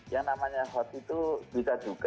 yang namanya hot itu bisa juga